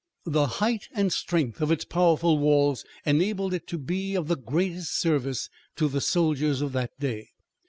The height and strength of its powerful walls enabled it to be of the greatest service to the soldiers of that day.